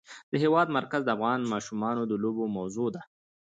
د هېواد مرکز د افغان ماشومانو د لوبو موضوع ده.